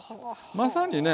まさにね